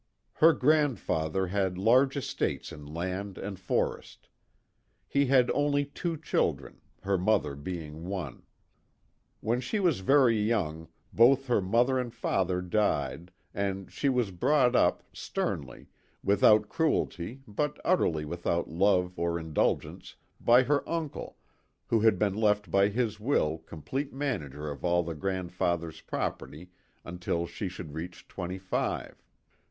Her grandfather had large estates in land and forest. He had only two children, her mother being one. When she was very young both her mother and father died and she was brought up, sternly, without cruelty but utterly without love or indulgence, by her uncle who had been left by his will complete manager of all the grandfather's property until she should reach twenty five.